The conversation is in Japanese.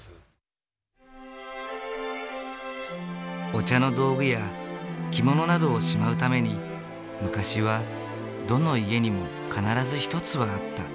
お茶の道具や着物などをしまうために昔はどの家にも必ず１つはあった。